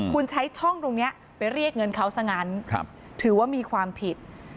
คุณใช้ช่องตรงนี้ไปเรียกเงินเขาซะงั้นถือว่ามีความผิด